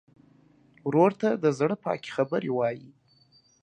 ورور ته د زړه پاکې خبرې وایې.